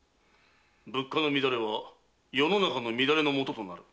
物価の乱れは世の中の乱れのもととなる。